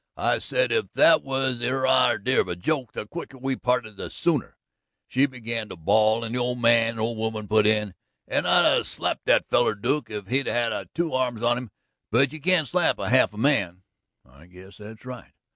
I said if that was her idear of a joke, the quicker we parted the sooner. She began to bawl, and the old man and old woman put in, and I'd 'a' slapped that feller, Duke, if he'd 'a' had two arms on him. But you can't slap a half of a man." "I guess that's right."